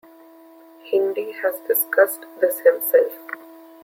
Hindy has discussed this himself.